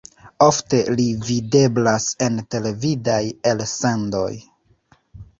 Ofte li videblas en televidaj elsendoj.